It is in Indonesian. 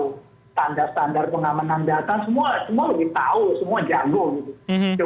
kalau standar standar pengamanan data semua lebih tahu semua jago gitu